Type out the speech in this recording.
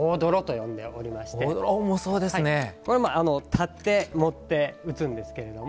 立って持って打つんですけども。